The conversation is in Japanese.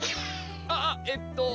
あっえっと